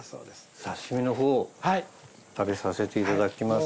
刺身のほう食べさせていただきます。